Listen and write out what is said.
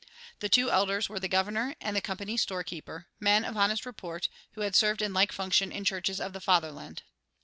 The two elders were the governor and the Company's storekeeper, men of honest report who had served in like functions in churches of the fatherland.